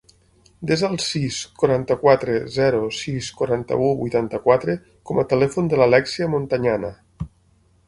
Desa el sis, quaranta-quatre, zero, sis, quaranta-u, vuitanta-quatre com a telèfon de l'Alèxia Montañana.